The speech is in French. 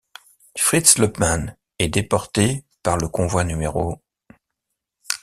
Fritz Loebmann est déporté par le Convoi No.